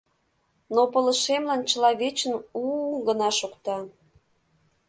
Но пылышемлан чыла вечын у-у-у! гына шокта.